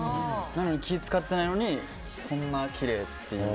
なのに気を使っていないのにこんなきれいだという。